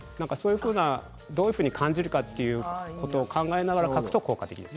どういうふうに感じるかということを考えながら嗅ぐと効果的です。